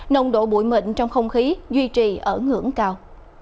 nồng độ bụi mịn trong không khí duy trì ở ngưỡng cao